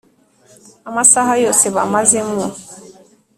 Amasaha yose bamaze mu